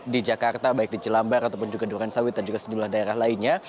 di jakarta baik di jelambar ataupun juga durensawit dan juga sejumlah daerah lainnya